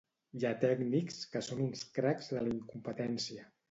Hi ha tècnics que són uns cracs de la incompetència